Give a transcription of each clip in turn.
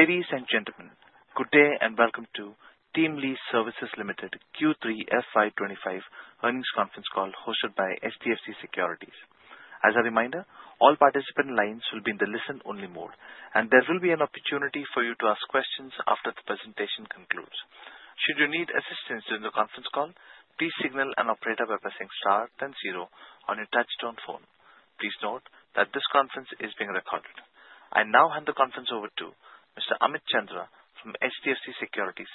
Ladies and gentlemen, good day and welcome to TeamLease Services Limited Q3 FY 2025 earnings conference call hosted by HDFC Securities. As a reminder, all participant lines will be in the listen-only mode, and there will be an opportunity for you to ask questions after the presentation concludes. Should you need assistance during the conference call, please dial operator by pressing star then zero on your touch-tone phone. Please note that this conference is being recorded. I now hand the conference over to Mr. Amit Chandra from HDFC Securities.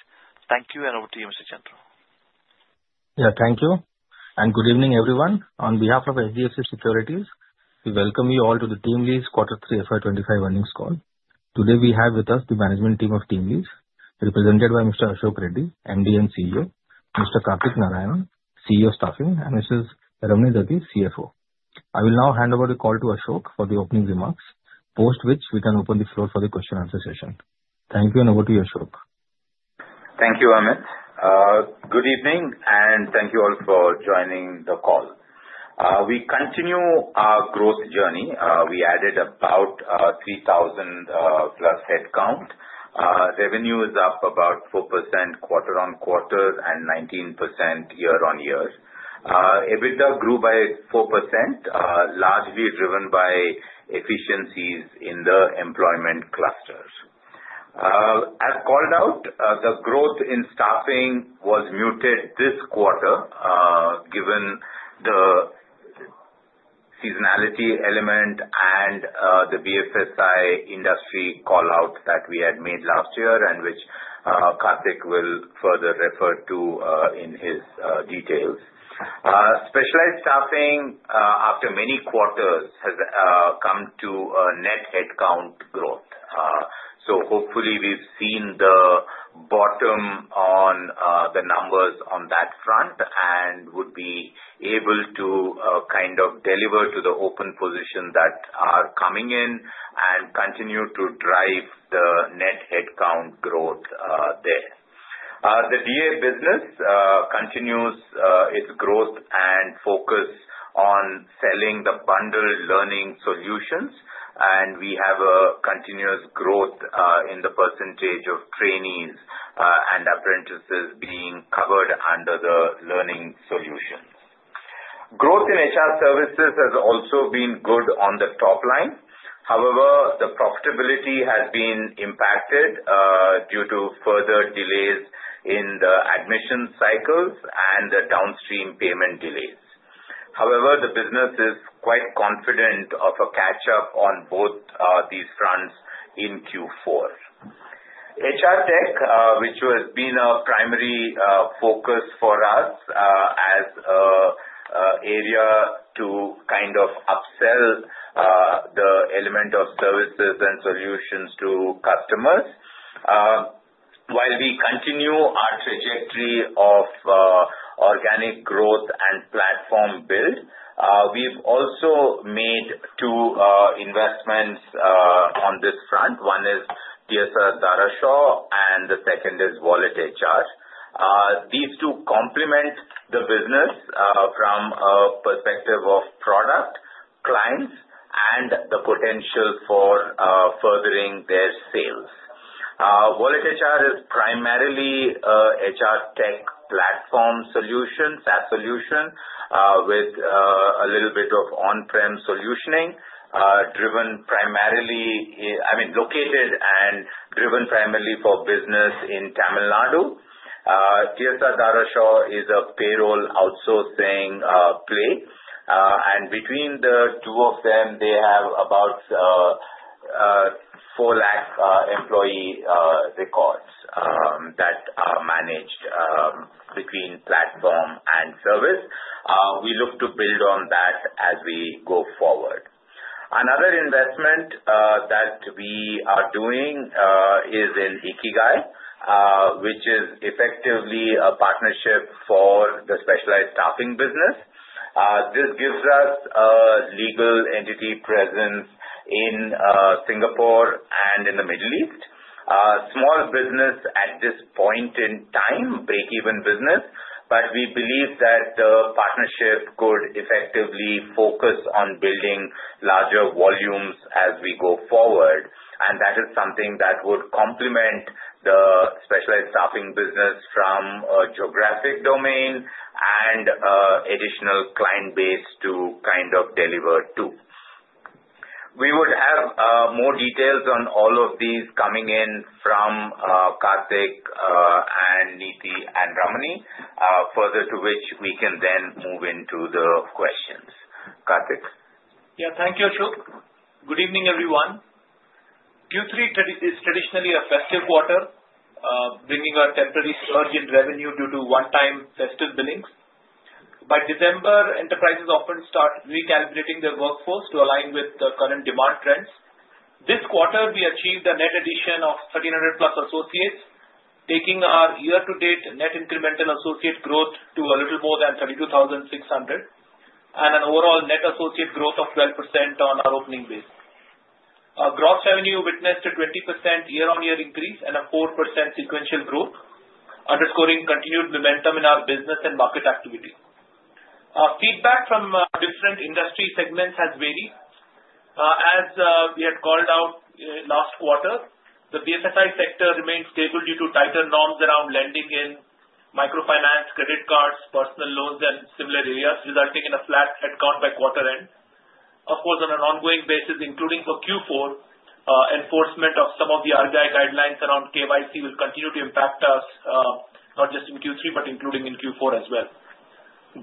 Thank you, and over to you, Mr. Chandra. Yeah, thank you, and good evening, everyone. On behalf of HDFC Securities, we welcome you all to the TeamLease Quarter 3 FY 2025 earnings call. Today, we have with us the management team of TeamLease, represented by Mr. Ashok Reddy, MD and CEO, Mr. Kartik Narayan, CEO staffing, and Mrs. Ramani Dathi, CFO. I will now hand over the call to Ashok for the opening remarks, post which we can open the floor for the question-and-answer session. Thank you, and over to you, Ashok. Thank you, Amit. Good evening, and thank you all for joining the call. We continue our growth journey. We added about 3,000+ headcount. Revenue is up about 4% quarter on quarter and 19% year-on-year. EBITDA grew by 4%, largely driven by efficiencies in the employment clusters. As called out, the growth in staffing was muted this quarter, given the seasonality element and the BFSI industry call-out that we had made last year, and which Kartik will further refer to in his details. Specialized Staffing, after many quarters, has come to a net headcount growth. So hopefully, we've seen the bottom on the numbers on that front and would be able to kind of deliver to the open positions that are coming in and continue to drive the net headcount growth there. The DA business continues its growth and focus on selling the bundled learning solutions, and we have a continuous growth in the percentage of trainees and apprentices being covered under the learning solutions. Growth in HR Services has also been good on the top line. However, the profitability has been impacted due to further delays in the admission cycles and the downstream payment delays. However, the business is quite confident of a catch-up on both these fronts in Q4. HR tech, which has been a primary focus for us as an area to kind of upsell the element of services and solutions to customers. While we continue our trajectory of organic growth and platform build, we've also made two investments on this front. One is TSR Darashaw, and the second is WalletHR. These two complement the business from a perspective of product clients and the potential for furthering their sales. WalletHR is primarily an HR tech platform solution, SaaS solution, with a little bit of on-prem solutioning driven primarily, I mean, located and driven primarily for business in Tamil Nadu. TSR Darashaw is a payroll outsourcing play, and between the two of them, they have about 4 lakh employee records that are managed between platform and service. We look to build on that as we go forward. Another investment that we are doing is in Ikigai, which is effectively a partnership for the Specialized Staffing business. This gives us a legal entity presence in Singapore and in the Middle East. Small business at this point in time, break-even business, but we believe that the partnership could effectively focus on building larger volumes as we go forward, and that is something that would complement the Specialized Staffing business from a geographic domain and additional client base to kind of deliver to. We would have more details on all of these coming in from Kartik and Neeti and Ramani, further to which we can then move into the questions. Kartik. Yeah, thank you, Ashok. Good evening, everyone. Q3 is traditionally a festive quarter, bringing a temporary surge in revenue due to one-time festive billings. By December, enterprises often start recalibrating their workforce to align with the current demand trends. This quarter, we achieved a net addition of 1,300+ associates, taking our year-to-date net incremental associate growth to a little more than 32,600 and an overall net associate growth of 12% on our opening base. Gross revenue witnessed a 20% year-on-year increase and a 4% sequential growth, underscoring continued momentum in our business and market activity. Feedback from different industry segments has varied. As we had called out last quarter, the BFSI sector remained stable due to tighter norms around lending in microfinance, credit cards, personal loans, and similar areas, resulting in a flat headcount by quarter end. Of course, on an ongoing basis, including for Q4, enforcement of some of the RBI guidelines around KYC will continue to impact us, not just in Q3, but including in Q4 as well.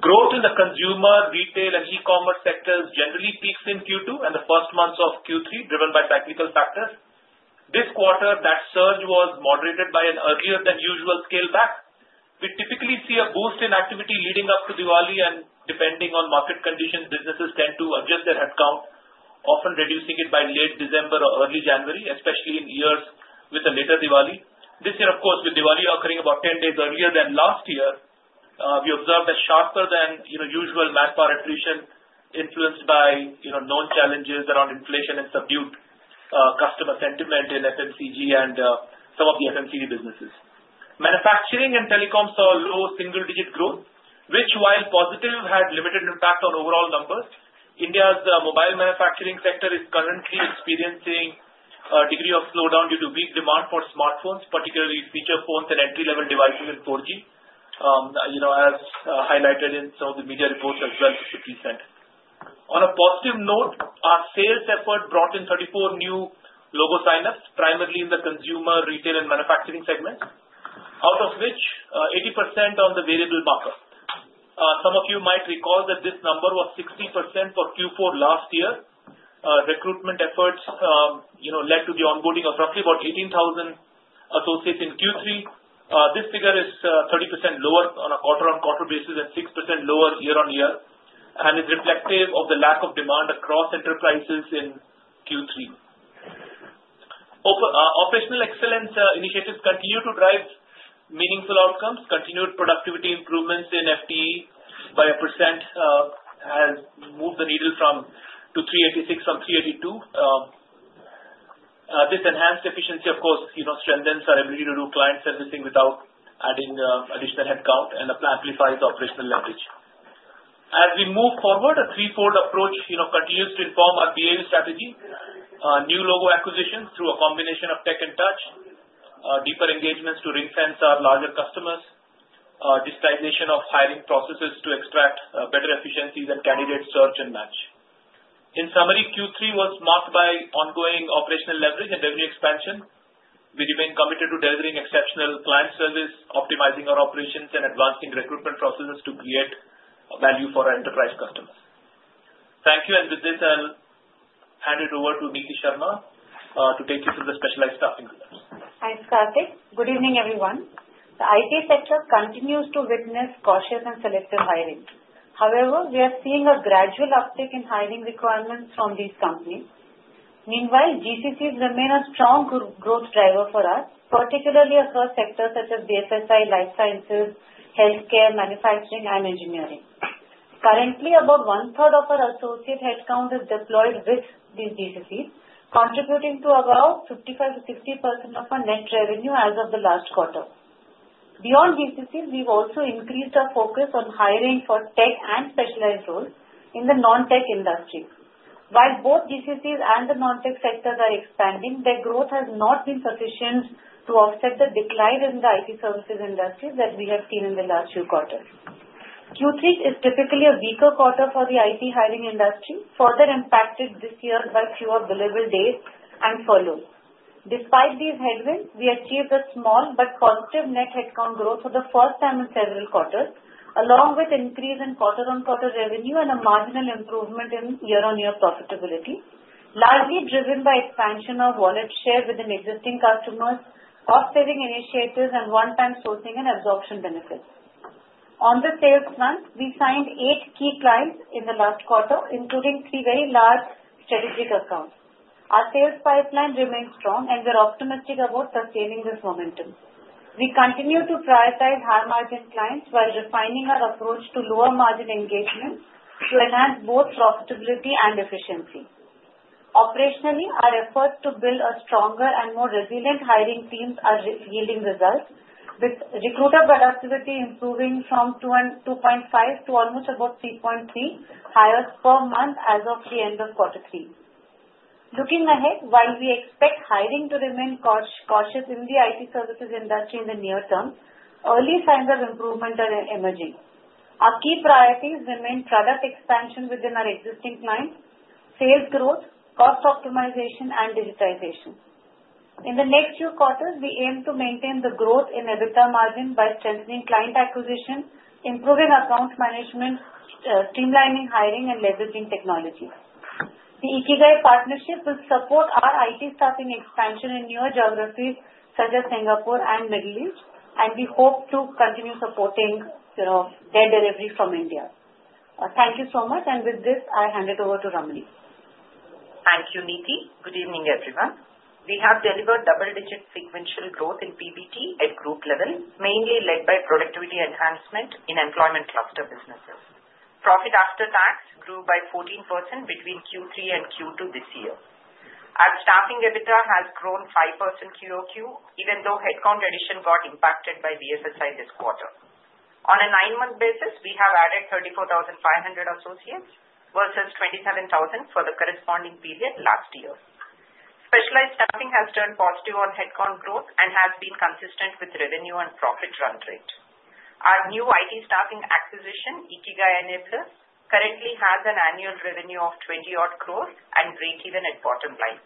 Growth in the consumer, retail, and e-commerce sectors generally peaks in Q2 and the first months of Q3, driven by technical factors. This quarter, that surge was moderated by an earlier-than-usual scale back. We typically see a boost in activity leading up to Diwali, and depending on market conditions, businesses tend to adjust their headcount, often reducing it by late December or early January, especially in years with a later Diwali. This year, of course, with Diwali occurring about 10 days earlier than last year, we observed a sharper-than-usual attrition influenced by known challenges around inflation and subdued customer sentiment in FMCG and some of the FMCG businesses. Manufacturing and telecom saw low single-digit growth, which, while positive, had limited impact on overall numbers. India's mobile manufacturing sector is currently experiencing a degree of slowdown due to weak demand for smartphones, particularly feature phones and entry-level devices in 4G, as highlighted in some of the media reports as well just a few weeks ago. On a positive note, our sales effort brought in 34 new logo signups, primarily in the consumer, retail, and manufacturing segments, out of which 80% on the variable markup. Some of you might recall that this number was 60% for Q4 last year. Recruitment efforts led to the onboarding of roughly about 18,000 associates in Q3. This figure is 30% lower on a quarter-on-quarter basis and 6% lower year-on-year, and it's reflective of the lack of demand across enterprises in Q3. Operational excellence initiatives continue to drive meaningful outcomes. Continued productivity improvements in FTE by 1% have moved the needle from 386 to 382. This enhanced efficiency, of course, strengthens our ability to do client servicing without adding additional headcount, and it amplifies operational leverage. As we move forward, a threefold approach continues to inform our BAU strategy. New logo acquisitions through a combination of tech and touch, deeper engagements to ring-fence our larger customers, digitization of hiring processes to extract better efficiencies and candidate search and match. In summary, Q3 was marked by ongoing operational leverage and revenue expansion. We remain committed to delivering exceptional client service, optimizing our operations, and advancing recruitment processes to create value for our enterprise customers. Thank you, and with this, I'll hand it over to Neeti Sharma to take you through the Specialized Staffing growth. Thanks, Kartik. Good evening, everyone. The IT sector continues to witness cautious and selective hiring. However, we are seeing a gradual uptick in hiring requirements from these companies. Meanwhile, GCCs remain a strong growth driver for us, particularly across sectors such as BFSI, life sciences, healthcare, manufacturing, and engineering. Currently, about one-third of our associate headcount is deployed with these GCCs, contributing to about 55%-60% of our net revenue as of the last quarter. Beyond GCCs, we've also increased our focus on hiring for tech and specialized roles in the non-tech industry. While both GCCs and the non-tech sectors are expanding, their growth has not been sufficient to offset the decline in the IT services industry that we have seen in the last few quarters. Q3 is typically a weaker quarter for the IT hiring industry, further impacted this year by fewer billable days and furloughs. Despite these headwinds, we achieved a small but positive net headcount growth for the first time in several quarters, along with an increase in quarter-on-quarter revenue and a marginal improvement in year-on-year profitability, largely driven by expansion of wallet share within existing customers, cost-saving initiatives, and one-time sourcing and absorption benefits. On the sales front, we signed eight key clients in the last quarter, including three very large strategic accounts. Our sales pipeline remains strong, and we're optimistic about sustaining this momentum. We continue to prioritize high-margin clients while refining our approach to lower-margin engagement to enhance both profitability and efficiency. Operationally, our efforts to build a stronger and more resilient hiring team are yielding results, with recruiter productivity improving from 2.5 to almost about 3.3 hours per month as of the end of Q3. Looking ahead, while we expect hiring to remain cautious in the IT services industry in the near term, early signs of improvement are emerging. Our key priorities remain product expansion within our existing clients, sales growth, cost optimization, and digitization. In the next few quarters, we aim to maintain the growth in EBITDA margin by strengthening client acquisition, improving account management, streamlining hiring, and leveraging technology. The Ikigai partnership will support our IT staffing expansion in newer geographies such as Singapore and the Middle East, and we hope to continue supporting their delivery from India. Thank you so much, and with this, I hand it over to Ramani. Thank you, Neeti. Good evening, everyone. We have delivered double-digit sequential growth in PBT at group level, mainly led by productivity enhancement in employment cluster businesses. Profit after tax grew by 14% between Q3 and Q2 this year. Our staffing EBITDA has grown 5% QOQ, even though headcount addition got impacted by BFSI this quarter. On a nine-month basis, we have added 34,500 associates versus 27,000 for the corresponding period last year. Specialized Staffing has turned positive on headcount growth and has been consistent with revenue and profit run rate. Our new IT staffing acquisition, Ikigai Enablers, currently has an annual revenue of 20-odd crores and break-even at bottom line.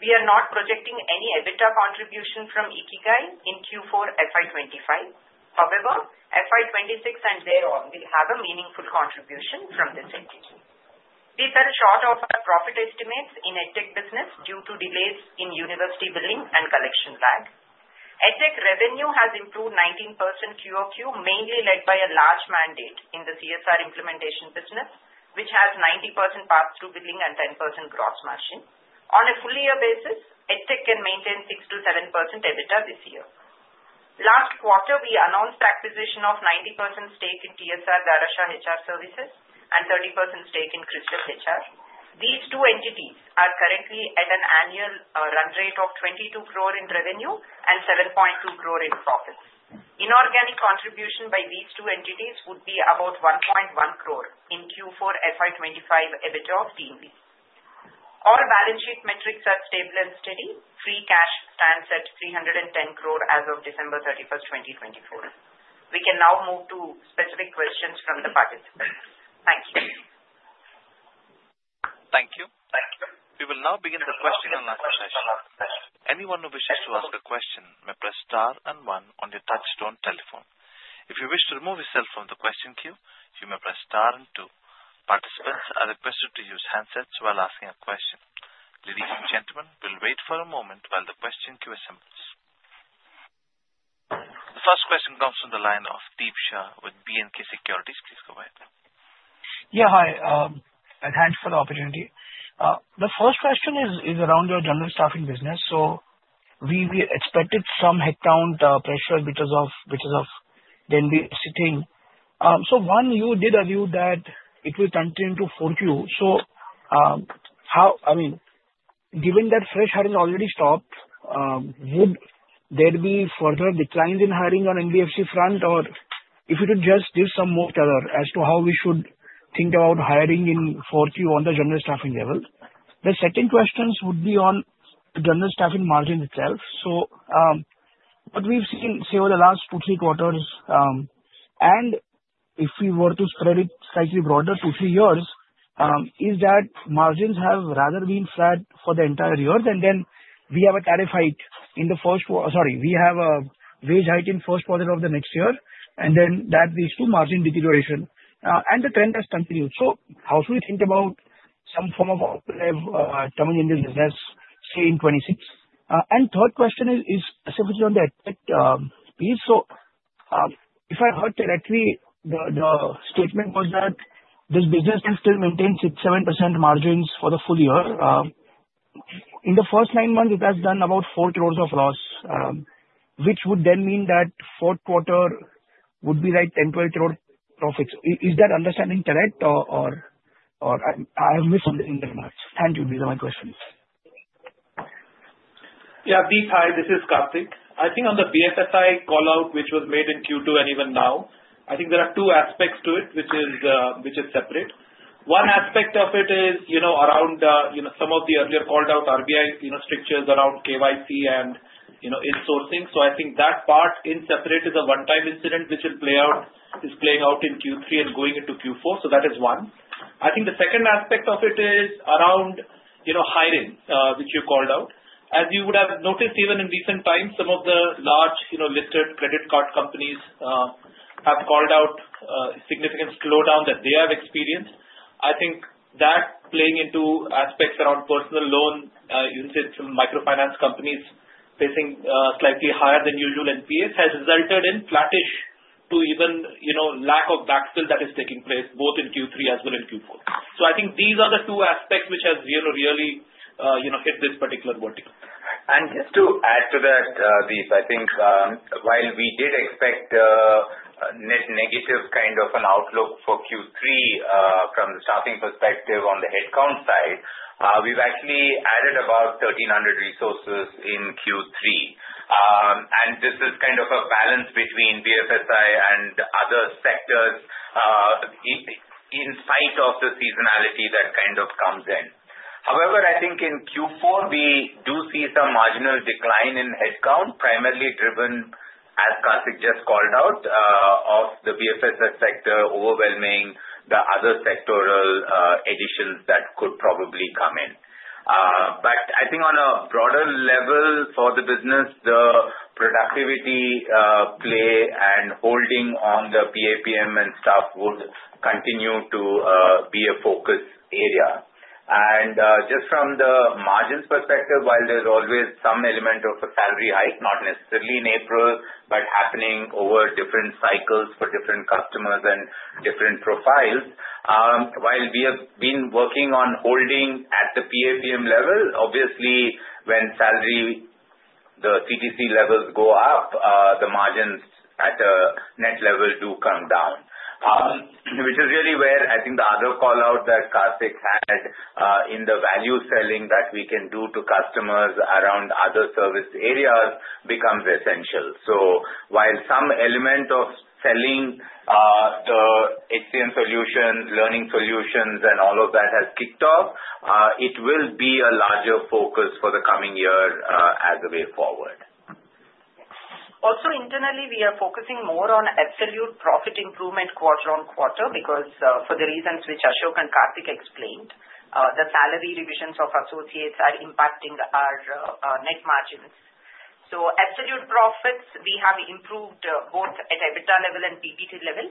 We are not projecting any EBITDA contribution from Ikigai in Q4 FY 2025. However, FY 2026 and thereon will have a meaningful contribution from this entity. We've had a shortfall of our profit estimates in EdTech business due to delays in university billing and collection lag. EdTech revenue has improved 19% QOQ, mainly led by a large mandate in the CSR implementation business, which has 90% pass-through billing and 10% gross margin. On a full-year basis, EdTech can maintain 6%-7% EBITDA this year. Last quarter, we announced the acquisition of 90% stake in TSR Darashaw HR Services and 30% stake in Crystal HR. These two entities are currently at an annual run rate of 22 crore in revenue and 7.2 crore in profits. Inorganic contribution by these two entities would be about 1.1 crore in Q4 FY 2025 EBITDA of TeamLease. All balance sheet metrics are stable and steady. Free cash stands at 310 crore as of December 31st, 2024. We can now move to specific questions from the participants. Thank you. Thank you. We will now begin the question and answer session. Anyone who wishes to ask a question may press star and one on the touch-tone telephone. If you wish to remove yourself from the question queue, you may press star and two. Participants are requested to use handsets while asking a question. Ladies and gentlemen, we'll wait for a moment while the question queue assembles. The first question comes from the line of Deep Shah with B&K Securities. Please go ahead. Yeah, hi. I've had a handful of questions. The first question is around your General Staffing business. So we expected some headcount pressure because of the investing. So one, you did allude that it will continue to 4Q. So I mean, given that fresh hiring already stopped, would there be further declines in hiring on NBFC front, or if you could just give some more color as to how we should think about hiring in 4Q on the General Staffing level? The second question would be on General Staffing margin itself. So what we've seen, say, over the last two, three quarters, and if we were to spread it slightly broader to three years, is that margins have rather been flat for the entire year, and then we have a tariff hike in the first, sorry, we have a wage hike in the first quarter of the next year, and then that leads to margin deterioration. And the trend has continued. So how should we think about some form of terminating the business, say, in 2026? And third question is specifically on the EdTech piece. So if I heard correctly, the statement was that this business can still maintain 6%-7% margins for the full year. In the first nine months, it has done about four trillions of loss, which would then mean that fourth quarter would be like 10 trillion-12 trillion profits. Is that understanding correct, or I have missed something in the margin? Thank you. These are my questions. Yeah, Deep, hi, this is Kartik. I think on the BFSI call-out, which was made in Q2 and even now, I think there are two aspects to it, which is separate. One aspect of it is around some of the earlier called-out RBI strictures around KYC and insourcing. So I think that part in separate is a one-time incident which is playing out in Q3 and going into Q4. So that is one. I think the second aspect of it is around hiring, which you called out. As you would have noticed, even in recent times, some of the large listed credit card companies have called out a significant slowdown that they have experienced. I think that playing into aspects around personal loan, even some microfinance companies facing slightly higher than usual NPAs has resulted in flattish to even lack of backfill that is taking place both in Q3 as well in Q4. So I think these are the two aspects which have really hit this particular vertical. Just to add to that, Deep, I think while we did expect a net negative kind of an outlook for Q3 from the staffing perspective on the headcount side, we've actually added about 1,300 resources in Q3. This is kind of a balance between BFSI and other sectors in spite of the seasonality that kind of comes in. However, I think in Q4, we do see some marginal decline in headcount, primarily driven, as Kartik just called out, of the BFSI sector overwhelming the other sectoral additions that could probably come in. I think on a broader level for the business, the productivity play and holding on the PAPM and stuff would continue to be a focus area. Just from the margins perspective, while there's always some element of a salary hike, not necessarily in April, but happening over different cycles for different customers and different profiles, while we have been working on holding at the PAPM level, obviously, when the CTC levels go up, the margins at a net level do come down, which is really where I think the other call-out that Kartik had in the value selling that we can do to customers around other service areas becomes essential. So while some element of selling the HCM solution, learning solutions, and all of that has kicked off, it will be a larger focus for the coming year as a way forward. Also, internally, we are focusing more on absolute profit improvement quarter on quarter because for the reasons which Ashok and Kartik explained, the salary revisions of associates are impacting our net margins. Absolute profits, we have improved both at EBITDA level and PBT level.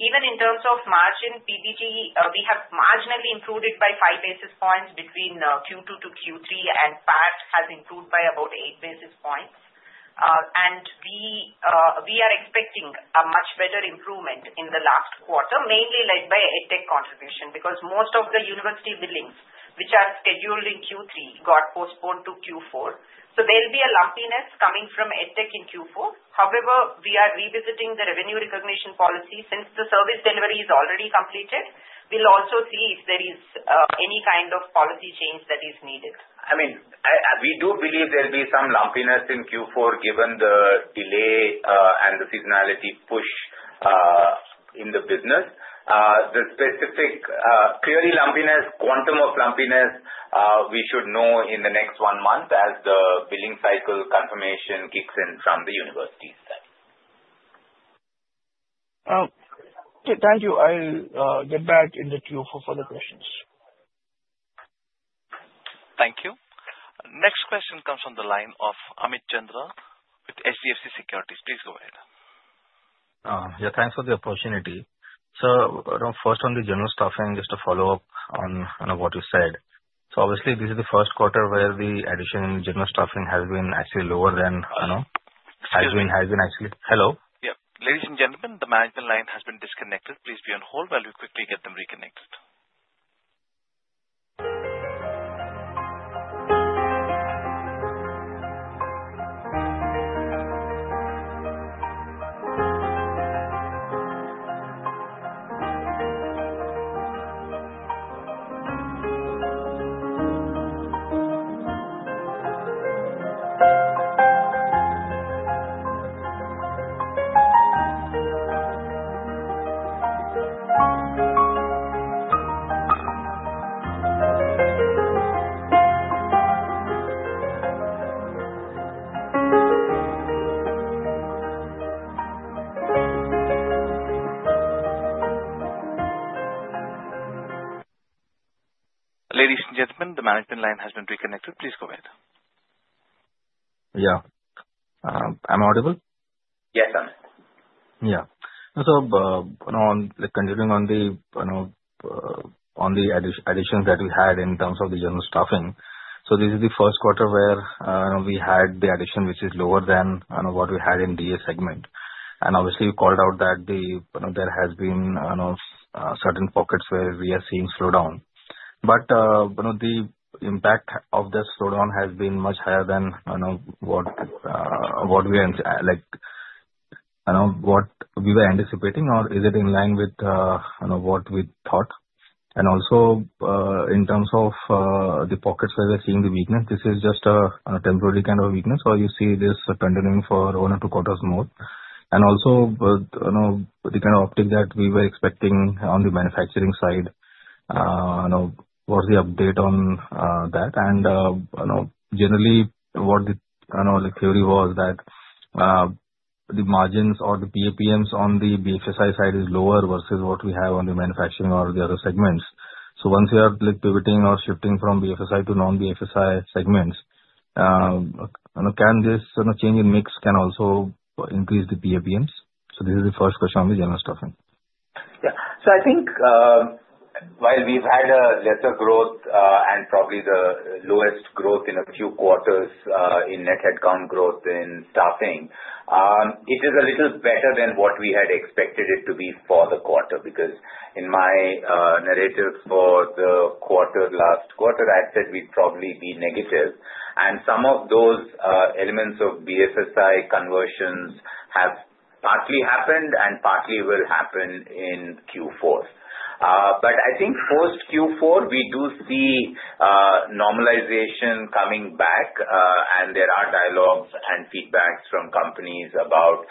Even in terms of margin, PBT, we have marginally improved it by five basis points between Q2 to Q3, and PAT has improved by about eight basis points. We are expecting a much better improvement in the last quarter, mainly led by EdTech contribution because most of the university billings, which are scheduled in Q3, got postponed to Q4. There'll be a lumpiness coming from EdTech in Q4. However, we are revisiting the revenue recognition policy since the service delivery is already completed. We'll also see if there is any kind of policy change that is needed. I mean, we do believe there'll be some lumpiness in Q4 given the delay and the seasonality push in the business. The specifics of the lumpiness, quantum of lumpiness, we should know in the next one month as the billing cycle confirmation kicks in from the universities. Thank you. I'll get back in the queue for further questions. Thank you. Next question comes from the line of Amit Chandra with HDFC Securities. Please go ahead. Yeah, thanks for the opportunity. So first, on the General Staffing, just a follow-up on what you said. So obviously, this is the first quarter where the addition in General Staffing has been actually lower than has been actually. Hello? Yeah. Ladies and gentlemen, the management line has been disconnected. Please be on hold while we quickly get them reconnected. Ladies and gentlemen, the management line has been reconnected. Please go ahead. Yeah. I'm audible? Yeah. Yeah. So continuing on the additions that we had in terms of the General Staffing, so this is the first quarter where we had the addition, which is lower than what we had in DA segment. And obviously, you called out that there has been certain pockets where we are seeing slowdown. But the impact of the slowdown has been much higher than what we were anticipating, or is it in line with what we thought? And also, in terms of the pockets where we're seeing the weakness, this is just a temporary kind of weakness, or you see this continuing for one or two quarters more? And also, the kind of uptick that we were expecting on the manufacturing side, what's the update on that? And generally, what the theory was that the margins or the PAPMs on the BFSI side is lower versus what we have on the manufacturing or the other segments. So once we are pivoting or shifting from BFSI to non-BFSI segments, can this change in mix also increase the PAPMs? So this is the first question on the General Staffing. Yeah. So I think while we've had a lesser growth and probably the lowest growth in a few quarters in net headcount growth in staffing, it is a little better than what we had expected it to be for the quarter because in my narrative for the quarter last quarter, I said we'd probably be negative, and some of those elements of BFSI conversions have partly happened and partly will happen in Q4. But I think post-Q4, we do see normalization coming back, and there are dialogues and feedbacks from companies about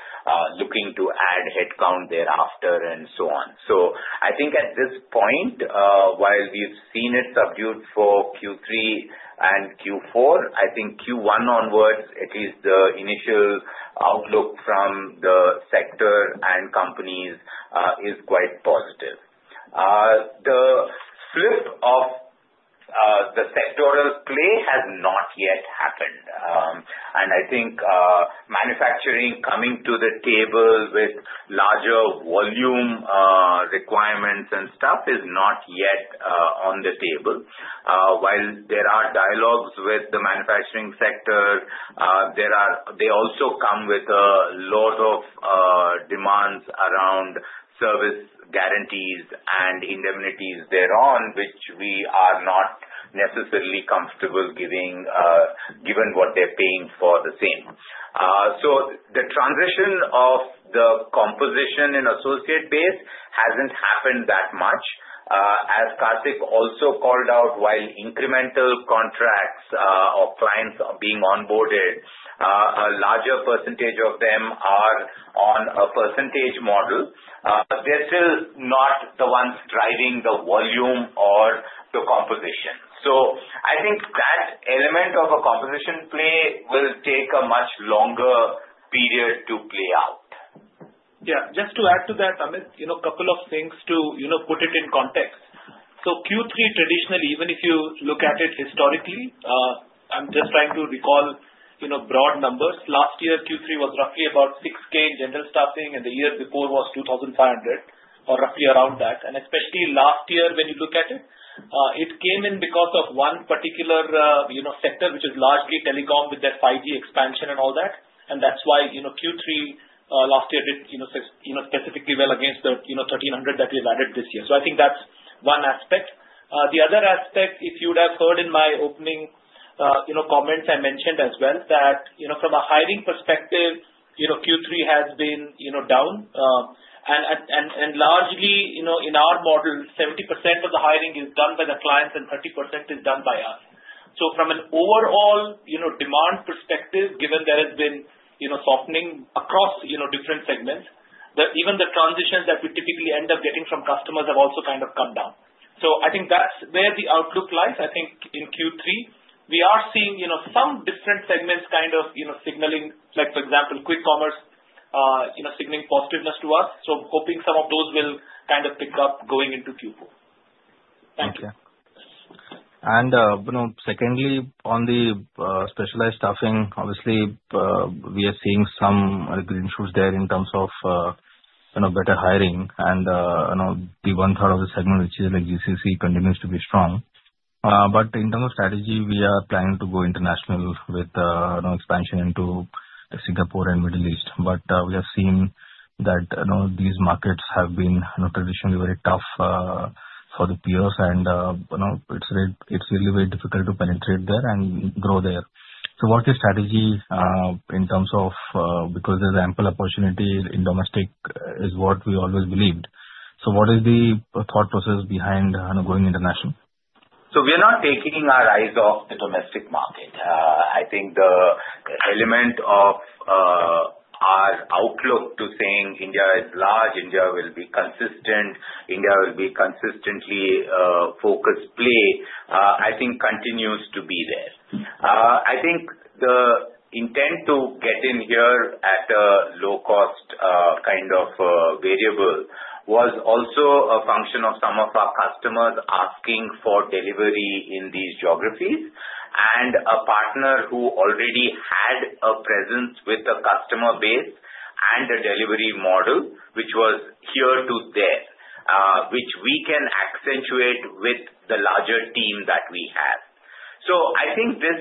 looking to add headcount thereafter and so on. So I think at this point, while we've seen it subdued for Q3 and Q4, I think Q1 onwards, at least the initial outlook from the sector and companies is quite positive. The flip of the sectoral play has not yet happened. And I think manufacturing coming to the table with larger volume requirements and stuff is not yet on the table. While there are dialogues with the manufacturing sector, they also come with a lot of demands around service guarantees and indemnities thereon, which we are not necessarily comfortable giving given what they're paying for the same. So the transition of the composition in associate base hasn't happened that much. As Kartik also called out, while incremental contracts or clients are being onboarded, a larger percentage of them are on a percentage model. They're still not the ones driving the volume or the composition. So I think that element of a composition play will take a much longer period to play out. Yeah. Just to add to that, Amit, a couple of things to put it in context. So Q3 traditionally, even if you look at it historically, I'm just trying to recall broad numbers. Last year, Q3 was roughly about 6,000 in General Staffing, and the year before was 2,500 or roughly around that. And especially last year, when you look at it, it came in because of one particular sector, which is largely telecom with their 5G expansion and all that. And that's why Q3 last year did specifically well against the 1,300 that we've added this year. So I think that's one aspect. The other aspect, if you would have heard in my opening comments, I mentioned as well that from a hiring perspective, Q3 has been down. And largely, in our model, 70% of the hiring is done by the clients and 30% is done by us. So from an overall demand perspective, given there has been softening across different segments, even the transitions that we typically end up getting from customers have also kind of come down. So I think that's where the outlook lies. I think in Q3, we are seeing some different segments kind of signaling, like for example, quick commerce signaling positiveness to us. So hoping some of those will kind of pick up going into Q4. Thank you. And secondly, on the Specialized Staffing, obviously, we are seeing some green shoots there in terms of better hiring. And the one third of the segment, which is like GCC, continues to be strong. But in terms of strategy, we are planning to go international with expansion into Singapore and Middle East. But we have seen that these markets have been traditionally very tough for the peers, and it's really very difficult to penetrate there and grow there. So what is strategy in terms of because there's ample opportunity in domestic is what we always believed. So what is the thought process behind going international? So we are not taking our eyes off the domestic market. I think the element of our outlook to saying India is large, India will be consistent, India will be consistently focused play, I think continues to be there. I think the intent to get in here at a low-cost kind of variable was also a function of some of our customers asking for delivery in these geographies and a partner who already had a presence with the customer base and a delivery model which was here to there, which we can accentuate with the larger team that we have. So I think this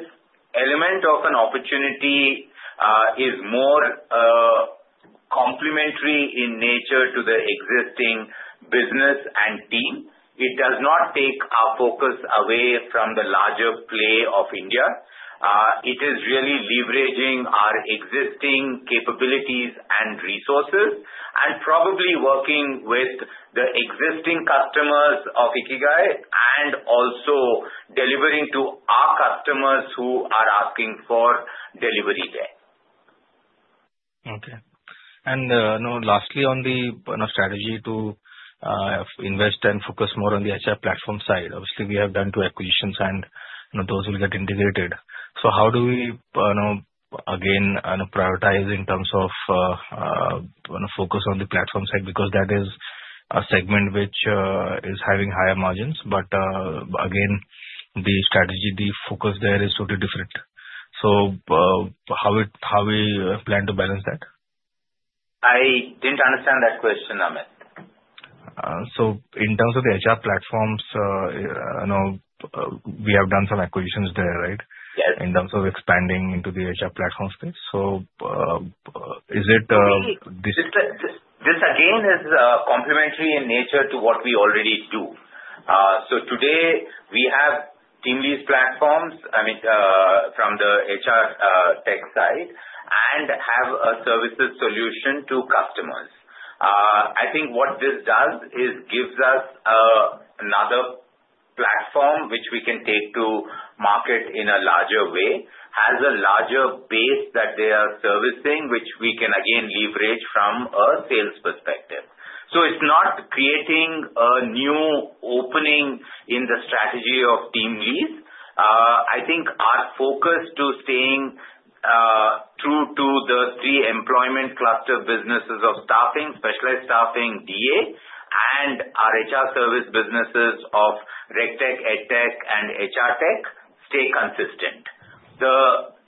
element of an opportunity is more complementary in nature to the existing business and team. It does not take our focus away from the larger play of India. It is really leveraging our existing capabilities and resources and probably working with the existing customers of Ikigai and also delivering to our customers who are asking for delivery there. Okay. And lastly, on the strategy to invest and focus more on the HR platform side, obviously, we have done two acquisitions, and those will get integrated. So how do we, again, prioritize in terms of focus on the platform side? Because that is a segment which is having higher margins. But again, the strategy, the focus there is totally different. So how we plan to balance that? I didn't understand that question, Amit. So in terms of the HR platforms, we have done some acquisitions there, right, in terms of expanding into the HR platform space? So is it. This again is complementary in nature to what we already do. So today, we have TeamLease platforms, I mean, from the HR Tech side and have a services solution to customers. I think what this does is gives us another platform which we can take to market in a larger way, has a larger base that they are servicing, which we can, again, leverage from a sales perspective. So it's not creating a new opening in the strategy of TeamLease. I think our focus to staying true to the three Employment Cluster businesses of staffing, Specialized Staffing, DA, and our HR Services businesses of RegTech, EdTech, and HR Tech stay consistent. The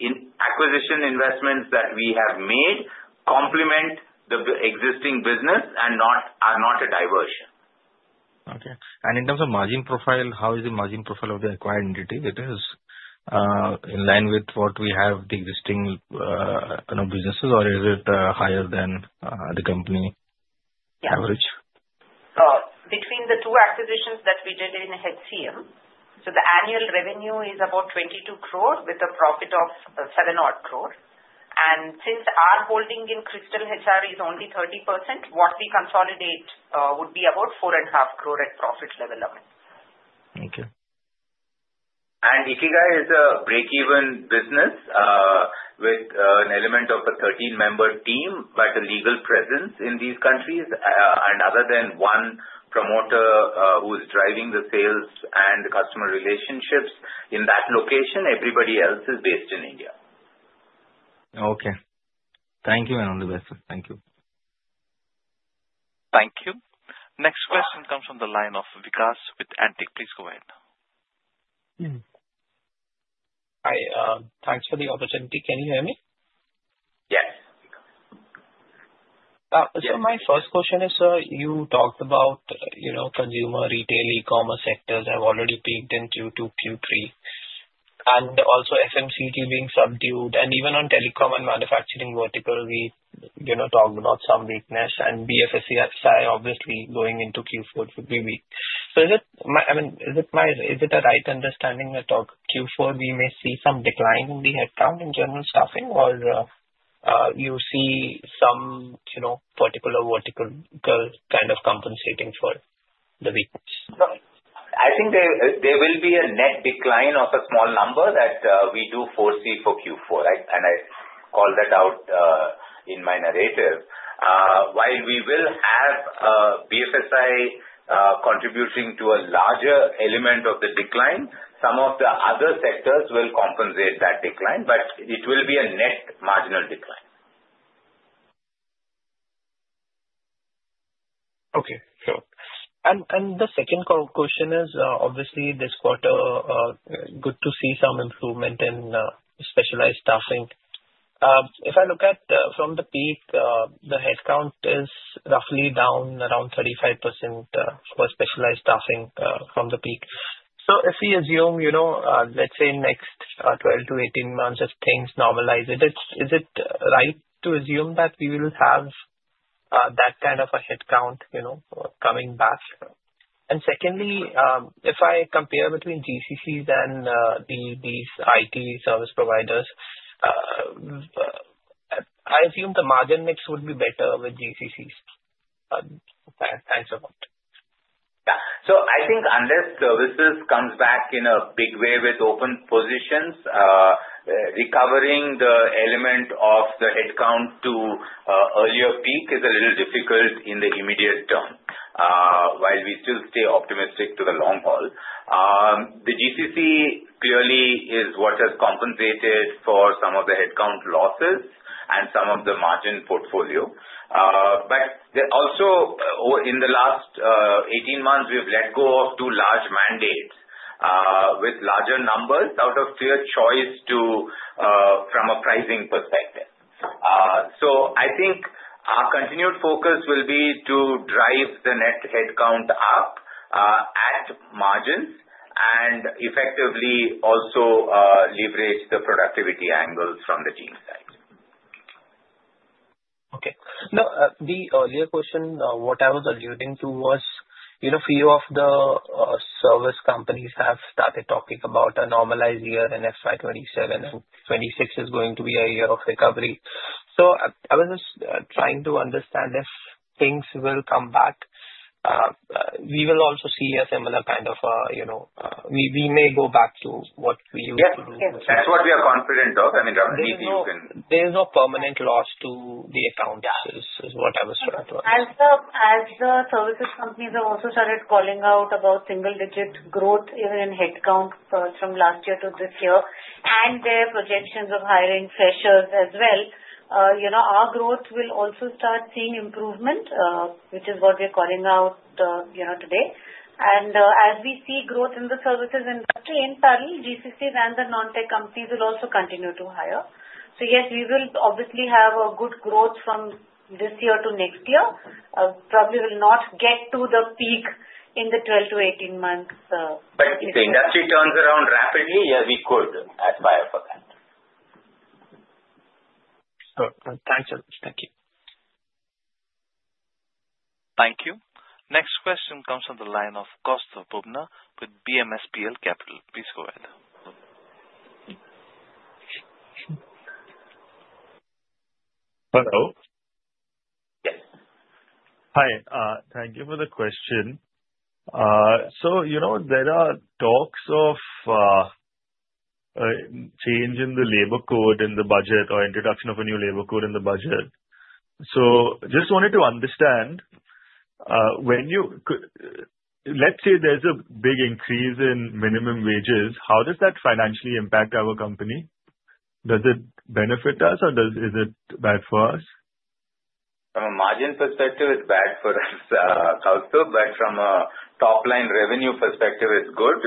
acquisition investments that we have made complement the existing business and are not a diversion. Okay. And in terms of margin profile, how is the margin profile of the acquired entity? It is in line with what we have, the existing businesses, or is it higher than the company average? Between the two acquisitions that we did in HCM, so the annual revenue is about 22 crore with a profit of 7 odd crore, and since our holding in Crystal HR is only 30%, what we consolidate would be about 4.5 crore at profit level, Amit. Okay. Ikigai is a break-even business with an element of a 13-member team, but a legal presence in these countries. Other than one promoter who is driving the sales and the customer relationships in that location, everybody else is based in India. Okay. Thank you all. Thank you. Thank you. Next question comes from the line of Vikas with Antique Stock Broking. Please go ahead. Hi. Thanks for the opportunity. Can you hear me? Yes. So my first question is, sir. You talked about consumer, retail, e-commerce sectors have already peaked into Q3 and also FMCG being subdued. And even on telecom and manufacturing vertical, we talked about some weakness. And BFSI, obviously, going into Q4 would be weak. So is it a right understanding that Q4 we may see some decline in the headcount in General Staffing, or you see some particular vertical kind of compensating for the weakness? I think there will be a net decline of a small number that we do foresee for Q4, and I call that out in my narrative. While we will have BFSI contributing to a larger element of the decline, some of the other sectors will compensate that decline, but it will be a net marginal decline. Okay. Sure. And the second question is, obviously, this quarter, good to see some improvement in Specialized Staffing. If I look at from the peak, the headcount is roughly down around 35% for specialized staffing from the peak. So if we assume, let's say, next 12 to 18 months as things normalize, is it right to assume that we will have that kind of a headcount coming back? And secondly, if I compare between GCCs and these IT service providers, I assume the margin mix would be better with GCCs. Thanks a lot. Yeah. So I think unless services comes back in a big way with open positions, recovering the element of the headcount to earlier peak is a little difficult in the immediate term while we still stay optimistic to the long haul. The GCC clearly is what has compensated for some of the headcount losses and some of the margin portfolio. But also, in the last 18 months, we have let go of two large mandates with larger numbers out of clear choice from a pricing perspective. So I think our continued focus will be to drive the net headcount up at margins and effectively also leverage the productivity angles from the team side. Okay. Now, the earlier question, what I was alluding to was a few of the service companies have started talking about a normalized year in FY 2027, and FY 2026 is going to be a year of recovery. So I was just trying to understand if things will come back. We will also see a similar kind of we may go back to what we. Yeah. That's what we are confident of. I mean, roughly, we can. There's no permanent loss to the account, is what I was trying to understand. As the services companies have also started calling out about single-digit growth, even in headcount from last year to this year, and their projections of hiring freshers as well, our growth will also start seeing improvement, which is what we're calling out today, and as we see growth in the services industry, in parallel, GCCs and the non-tech companies will also continue to hire, so yes, we will obviously have a good growth from this year to next year. Probably will not get to the peak in the 12 months-18 months. But if the industry turns around rapidly, yeah, we could aspire for that. Thanks, Ashok. Thank you. Thank you. Next question comes from the line of Kaustuv Bubna with BMSPL Capital. Please go ahead. Hello. Yes. Hi. Thank you for the question. So there are talks of change in the Labour Codes in the budget or introduction of a new Labour Codes in the budget. So just wanted to understand, let's say there's a big increase in minimum wages, how does that financially impact our company? Does it benefit us, or is it bad for us? From a margin perspective, it's bad for us also. But from a top-line revenue perspective, it's good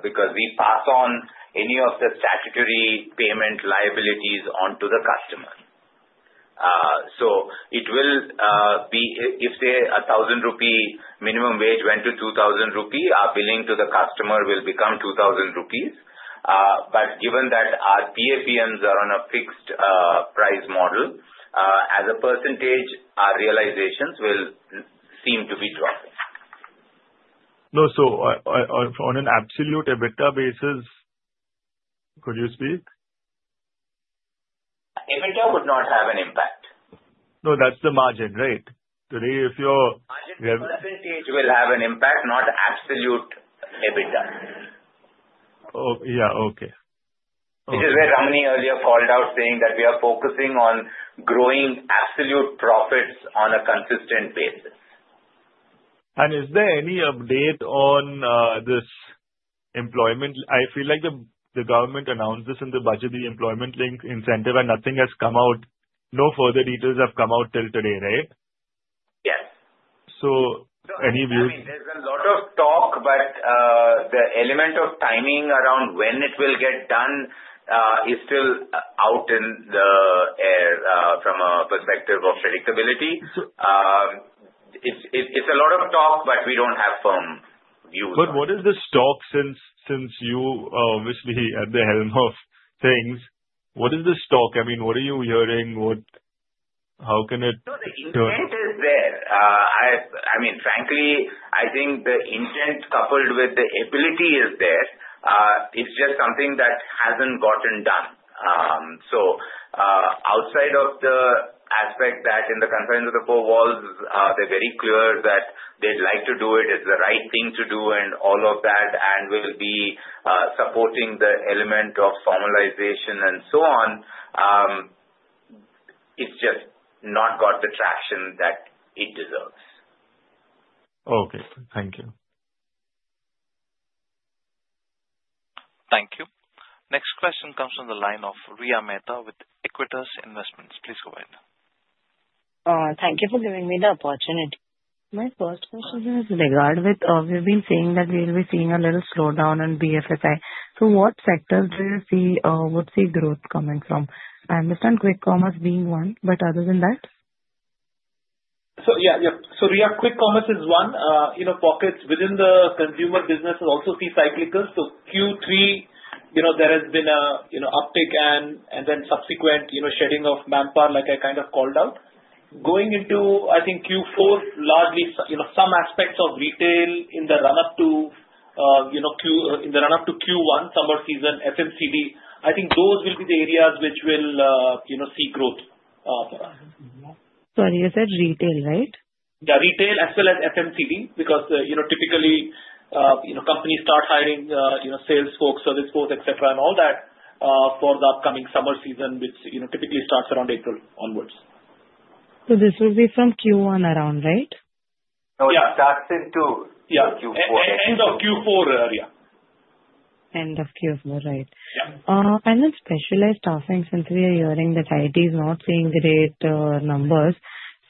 because we pass on any of the statutory payment liabilities onto the customer. So it will be, if, say, a 1,000 rupee minimum wage went to 2,000 rupee, our billing to the customer will become 2,000 rupees. But given that our PFEMs are on a fixed price model, as a percentage, our realizations will seem to be dropping. No, so on an absolute EBITDA basis, could you speak? EBITDA would not have an impact. No, that's the margin, right? Today, if you're. Margin percentage will have an impact, not absolute EBITDA. Oh, yeah. Okay. This is where Ramani earlier called out, saying that we are focusing on growing absolute profits on a consistent basis. Is there any update on this Employment Linked Incentive? I feel like the government announced this in the budget, the Employment Linked Incentive, and nothing has come out. No further details have come out till today, right? Yes. So any views? There's a lot of talk, but the element of timing around when it will get done is still out in the air from a perspective of predictability. It's a lot of talk, but we don't have firm views. But what is the stock since you obviously at the helm of things? What is the stock? I mean, what are you hearing? How can it? No, the intent is there. I mean, frankly, I think the intent coupled with the ability is there. It's just something that hasn't gotten done. So outside of the aspect that in the confines of the four walls, they're very clear that they'd like to do it. It's the right thing to do and all of that, and will be supporting the element of formalization and so on. It's just not got the traction that it deserves. Okay. Thank you. Thank you. Next question comes from the line of Riya Mehta with Aequitas Investments. Please go ahead. Thank you for giving me the opportunity. My first question is with regard to what we've been saying that we'll be seeing a little slowdown on BFSI. So what sectors do you see would see growth coming from? I understand Quick Commerce being one, but other than that? Yeah, so Riya, Quick Commerce is one. Pockets within the consumer business also see cyclicals. Q3, there has been an uptick and then subsequent shedding of manpower, like I kind of called out. Going into Q4, I think, largely some aspects of retail in the run-up to Q1, summer season, FMCG, I think those will be the areas which will see growth for us. Sorry, you said retail, right? Yeah, retail as well as FMCG, because typically, companies start hiring sales folks, service folks, etc., and all that for the upcoming summer season, which typically starts around April onwards. This will be from Q1 around, right? Oh, yeah. That's into Q4. Yeah, end of Q4, Riya. End of Q4, right. And then specialized staffing, since we are hearing that IT is not seeing great numbers.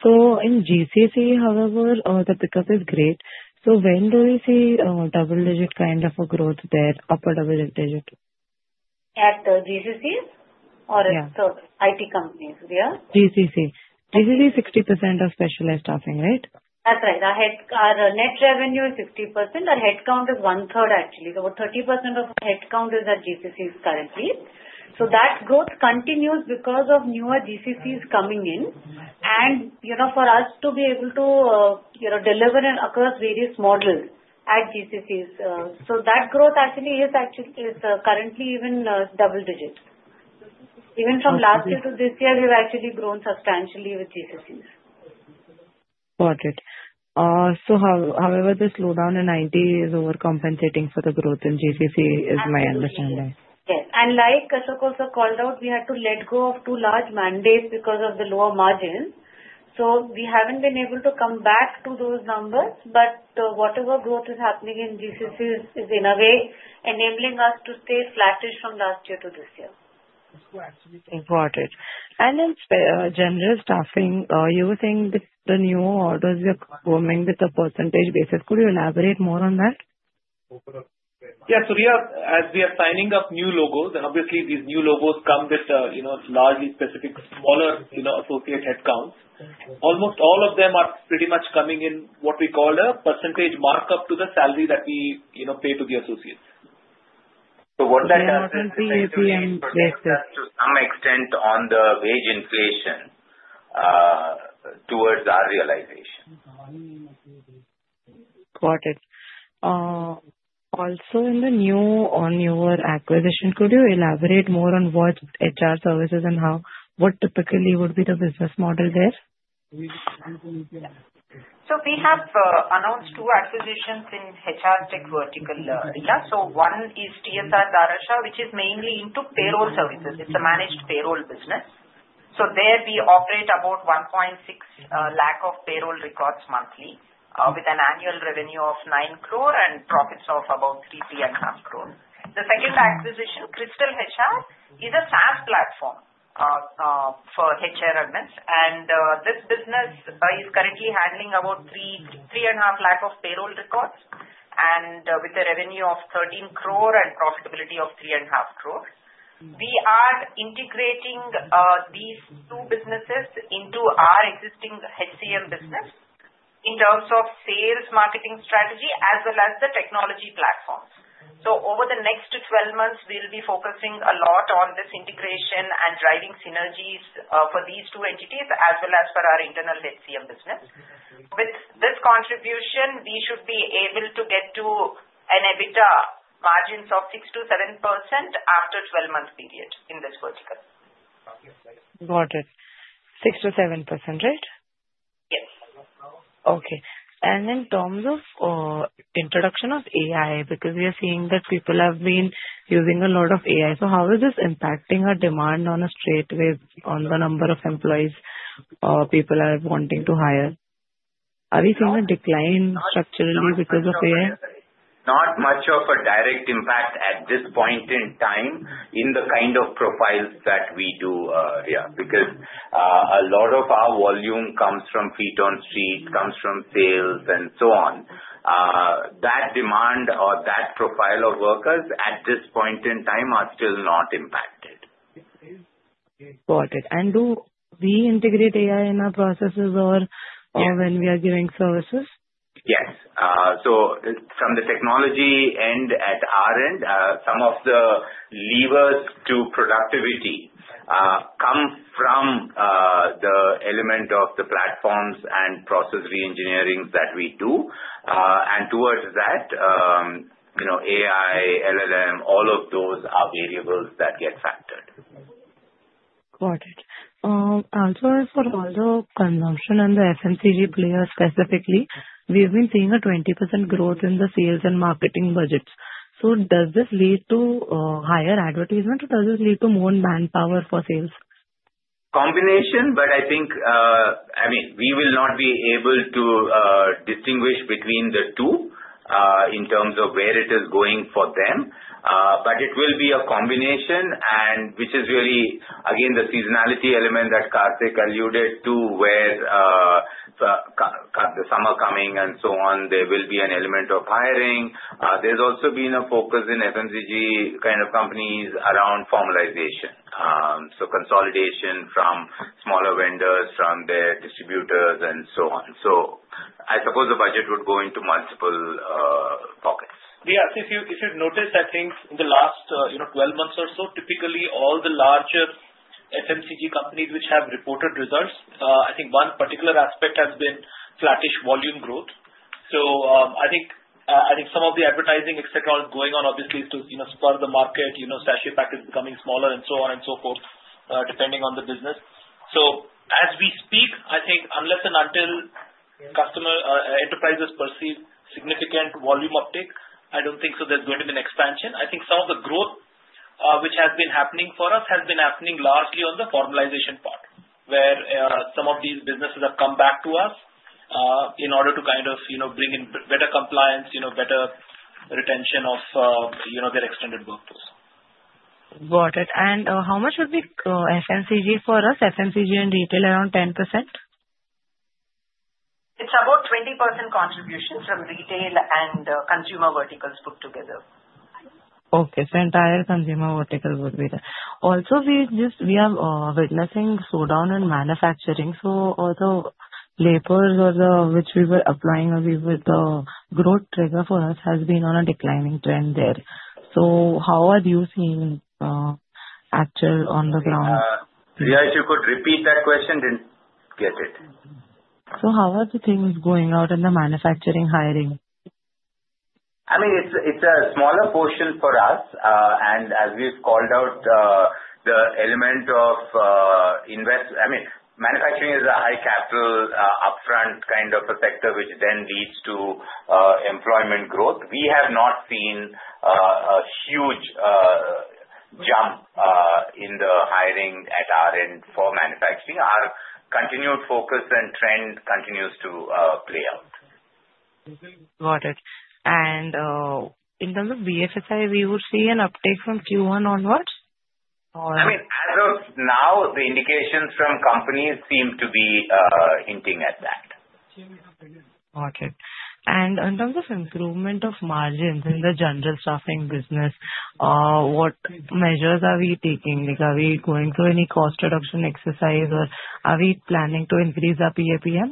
So in GCC, however, the pickup is great. So when do we see double-digit kind of a growth there, upper double-digit? At GCC or at the IT companies, Riya? GCC. GCC is 60% of specialized staffing, right? That's right. Our net revenue is 60%. Our headcount is 1/3, actually. So about 30% of our headcount is at GCCs currently. So that growth continues because of newer GCCs coming in, and for us to be able to deliver and across various models at GCCs, so that growth actually is currently even double-digit. Even from last year to this year, we've actually grown substantially with GCCs. Got it. So however, the slowdown in IT is overcompensating for the growth in GCC, is my understanding. Yes, and like Kaustubh also called out, we had to let go of two large mandates because of the lower margins. So we haven't been able to come back to those numbers, but whatever growth is happening in GCCs is, in a way, enabling us to stay flattish from last year to this year. Got it. And then General Staffing, are you saying the new orders are coming with a percentage basis? Could you elaborate more on that? Yeah. So, Riya, as we are signing up new logos, and obviously, these new logos come with largely specific, smaller associate headcounts. Almost all of them are pretty much coming in what we call a percentage markup to the salary that we pay to the associates. So what that does is basis. So it comes into some extent on the wage inflation towards our realization. Got it. Also, on the newer acquisition, could you elaborate more on what HR Services and what typically would be the business model there? We have announced two acquisitions in HR tech vertical, Riya. One is TSR Darashaw, which is mainly into payroll services. It's a managed payroll business. There, we operate about 1.6 lakh of payroll records monthly with an annual revenue of 9 crore and profits of about 3.5 crore. The second acquisition, Crystal HR, is a SaaS platform for HR admins. This business is currently handling about 3.5 lakh of payroll records with a revenue of 13 crore and profitability of 3.5 crore. We are integrating these two businesses into our existing HCM business in terms of sales, marketing strategy, as well as the technology platforms. Over the next 12 months, we'll be focusing a lot on this integration and driving synergies for these two entities, as well as for our internal HCM business. With this contribution, we should be able to get to an EBITDA margin of 6%-7% after a 12-month period in this vertical. Got it. 6%-7%, right? Yes. Okay. And in terms of introduction of AI, because we are seeing that people have been using a lot of AI, so how is this impacting our demand straightaway on the number of employees people are wanting to hire? Are we seeing a decline structurally because of AI? Not much of a direct impact at this point in time in the kind of profiles that we do, Riya, because a lot of our volume comes from feet on street, comes from sales, and so on. That demand or that profile of workers at this point in time are still not impacted. Got it. And do we integrate AI in our processes or when we are giving services? Yes. So from the technology end at our end, some of the levers to productivity come from the element of the platforms and process re-engineering that we do. And towards that, AI, LLM, all of those are variables that get factored. Got it. Also, for all the consumption and the FMCG players specifically, we've been seeing a 20% growth in the sales and marketing budgets. So does this lead to higher advertisement, or does this lead to more manpower for sales? Combination, but I think, I mean, we will not be able to distinguish between the two in terms of where it is going for them. But it will be a combination, which is really, again, the seasonality element that Kartik alluded to, where the summer coming and so on, there will be an element of hiring. There's also been a focus in FMCG kind of companies around formalization. So consolidation from smaller vendors, from their distributors, and so on. So I suppose the budget would go into multiple pockets. Riya, if you'd noticed, I think, in the last 12 months or so, typically, all the larger FMCG companies which have reported results, I think one particular aspect has been flattish volume growth. So I think some of the advertising, etc., is going on, obviously, to spur the market, sachet package becoming smaller, and so on and so forth, depending on the business. So as we speak, I think, unless and until enterprises perceive significant volume uptick, I don't think so there's going to be an expansion. I think some of the growth which has been happening for us has been happening largely on the formalization part, where some of these businesses have come back to us in order to kind of bring in better compliance, better retention of their extended workforce. Got it, and how much would be FMCG for us, FMCG and retail, around 10%? It's about 20% contribution from retail and consumer verticals put together. Okay. So entire consumer vertical would be there. Also, we are witnessing slowdown in manufacturing. So the labor which we were applying away with the growth trigger for us has been on a declining trend there. So how are you seeing actual on the ground? Riya, if you could repeat that question. Didn't get it. How are the things going out in the manufacturing hiring? I mean, it's a smaller portion for us, and as we've called out, the element of I mean, manufacturing is a high-capital upfront kind of a sector which then leads to employment growth. We have not seen a huge jump in the hiring at our end for manufacturing. Our continued focus and trend continues to play out. Got it. And in terms of BFSI, we would see an uptake from Q1 onwards? I mean, as of now, the indications from companies seem to be hinting at that. Got it. And in terms of improvement of margins in the General Staffing business, what measures are we taking? Are we going through any cost reduction exercise, or are we planning to increase our PAPM?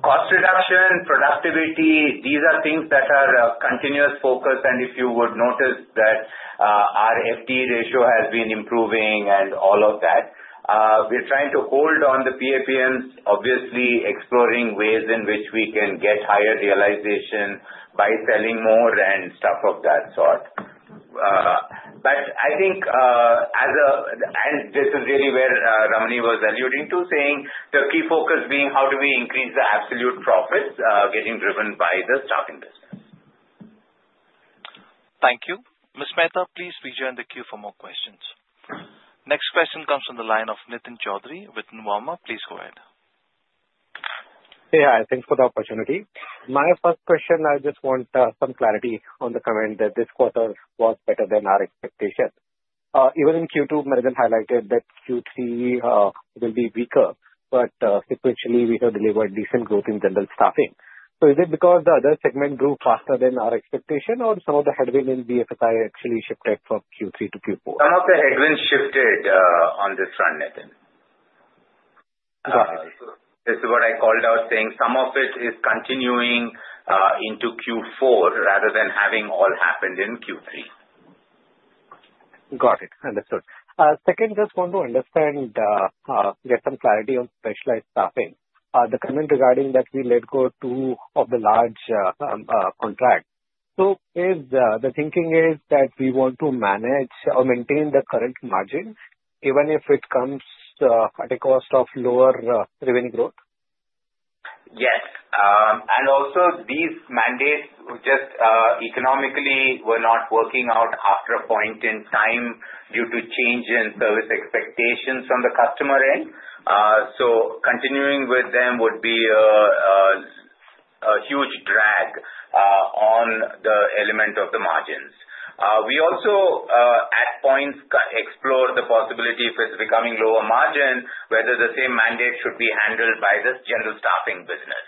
Cost reduction, productivity, these are things that are continuous focus, and if you would notice that our FTE ratio has been improving and all of that, we're trying to hold on the PAPMs, obviously exploring ways in which we can get higher realization by selling more and stuff of that sort, but I think, and this is really where Ramani was alluding to, saying the key focus being how do we increase the absolute profits getting driven by the staffing business. Thank you. Ms. Mehta, please join the queue for more questions. Next question comes from the line of Nikhil Choudhary with Nuvama. Please go ahead. Hey, hi. Thanks for the opportunity. My first question, I just want some clarity on the comment that this quarter was better than our expectation. Even in Q2, Ramani Dathi highlighted that Q3 will be weaker, but sequentially, we have delivered decent growth in General Staffing. So is it because the other segment grew faster than our expectation, or some of the headwinds in BFSI actually shifted from Q3 to Q4? Some of the headwinds shifted on this front, Nikhil. Got it. This is what I called out, saying some of it is continuing into Q4 rather than having all happened in Q3. Got it. Understood. Second, just want to understand, get some clarity on specialized staffing. The comment regarding that we let go two of the large contracts. So the thinking is that we want to manage or maintain the current margin even if it comes at a cost of lower revenue growth? Yes. And also, these mandates just economically were not working out after a point in time due to change in service expectations on the customer end. So continuing with them would be a huge drag on the element of the margins. We also, at points, explore the possibility if it's becoming lower margin, whether the same mandate should be handled by the General Staffing business.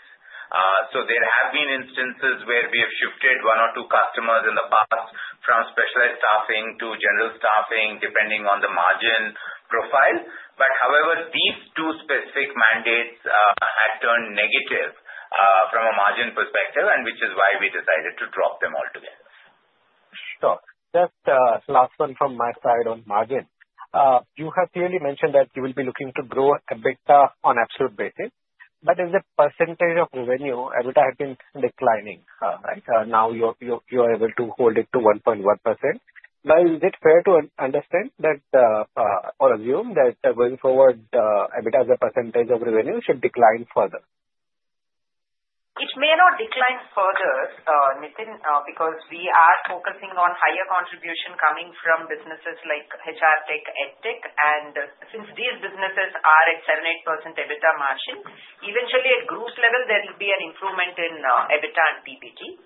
So there have been instances where we have shifted one or two customers in the past from specialized staffing to General Staffing depending on the margin profile. But however, these two specific mandates had turned negative from a margin perspective, which is why we decided to drop them altogether. Sure. Just last one from my side on margin. You have clearly mentioned that you will be looking to grow EBITDA on an absolute basis. But as the percentage of revenue, EBITDA had been declining, right? Now you are able to hold it to 1.1%. Now, is it fair to understand that or assume that going forward, EBITDA as a percentage of revenue should decline further? It may not decline further, Nikhil, because we are focusing on higher contribution coming from businesses like HR Tech, EdTech, and since these businesses are at 7%, 8% EBITDA margin, eventually, at groups level, there will be an improvement in EBITDA and PPG.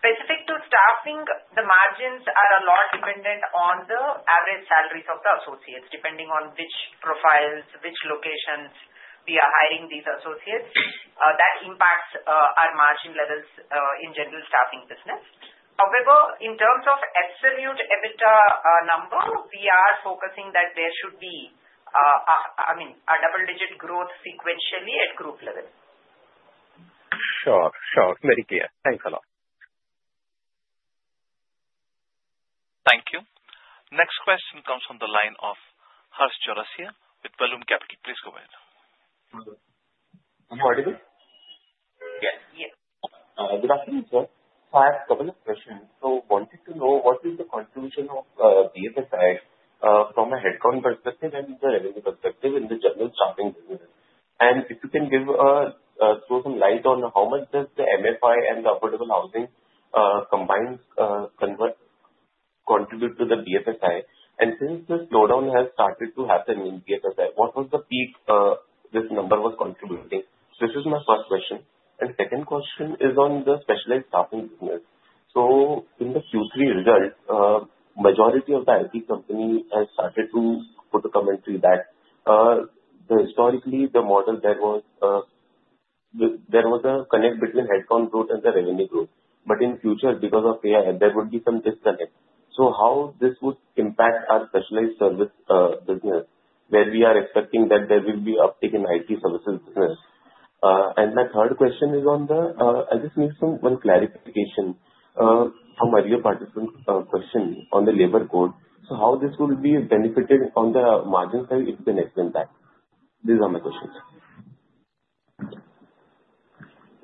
Specific to staffing, the margins are a lot dependent on the average salaries of the associates, depending on which profiles, which locations we are hiring these associates. That impacts our margin levels in General Staffing business. However, in terms of absolute EBITDA number, we are focusing that there should be, I mean, a double-digit growth sequentially at group level. Sure. Sure. Very clear. Thanks a lot. Thank you. Next question comes from the line of Harsh Chaurasia with Vallum Capital. Please go ahead. Hello? Yes. Yes. Good afternoon, sir. So I have a couple of questions. So I wanted to know what is the contribution of BFSI from a headcount perspective and revenue perspective in the General Staffing business. And if you can throw some light on how much does the MFI and the Affordable Housing combined contribute to the BFSI? And since the slowdown has started to happen in BFSI, what was the peak this number was contributing? So this is my first question. And second question is on the specialized staffing business. So in the Q3 result, the majority of the IT company has started to put a commentary that historically, the model there was a connect between headcount growth and the revenue growth. But in future, because of AI, there would be some disconnect. So how this would impact our specialized service business, where we are expecting that there will be an uptake in IT services business? And my third question is on the, and this needs some clarification from earlier participant question on the labor code. So how this will be benefited on the margin side if you can explain that? These are my questions.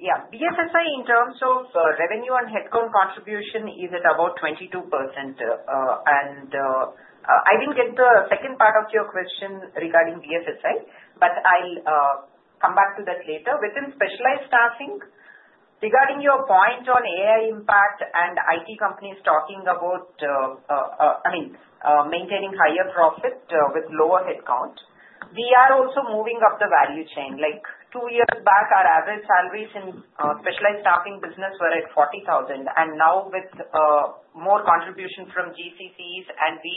Yeah. BFSI, in terms of revenue on headcount contribution, is it about 22%? And I didn't get the second part of your question regarding BFSI, but I'll come back to that later. Within specialized staffing, regarding your point on AI impact and IT companies talking about, I mean, maintaining higher profit with lower headcount, we are also moving up the value chain. Like two years back, our average salaries in specialized staffing business were at 40,000. And now, with more contribution from GCCs and we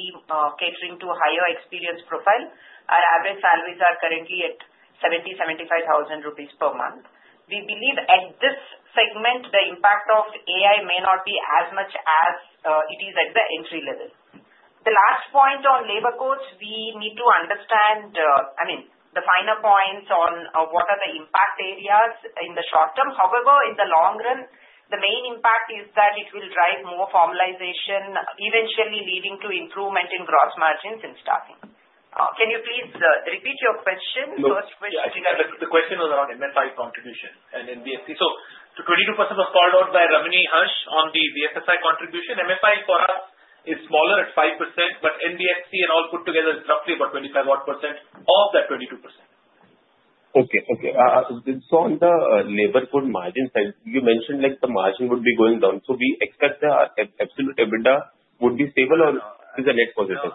catering to a higher experience profile, our average salaries are currently at 70,000-75,000 rupees per month. We believe at this segment, the impact of AI may not be as much as it is at the entry level. The last point on labor codes, we need to understand, I mean, the finer points on what are the impact areas in the short term. However, in the long run, the main impact is that it will drive more formalization, eventually leading to improvement in gross margins in staffing. Can you please repeat your question? The first question you had. The question was around MFI contribution and NBFC, so 22% was called out by Ramani, Harsh on the BFSI contribution. MFI for us is smaller at 5%, but NBFC and all put together is roughly about 25-odd% of that 22%. Okay. So in the labor code margin side, you mentioned the margin would be going down. So we expect the absolute EBITDA would be stable, or is the net positive?